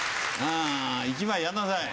１枚やんなさい。